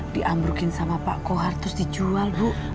diamrukin sama pak kohar terus dijual bu